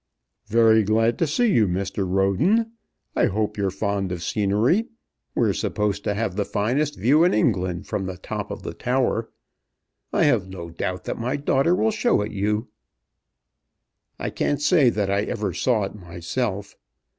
"Very glad to see you, Mr. Roden. I hope you're fond of scenery. We're supposed to have the finest view in England from the top of the tower. I have no doubt my daughter will show it you. I can't say that I ever saw it myself.